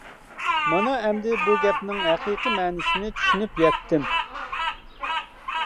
مانا ئەمدى بۇ گەپنىڭ ھەقىقىي مەنىسىنى چۈشىنىپ يەتتىم.